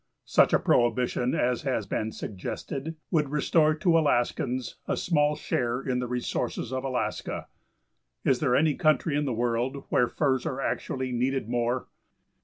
Such a prohibition as has been suggested would restore to Alaskans a small share in the resources of Alaska. Is there any country in the world where furs are actually needed more?